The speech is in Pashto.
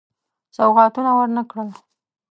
سوغاتونه ورنه کړل.